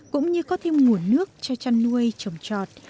cũng như có thêm nguồn nước cho chăn nuôi trồng trọt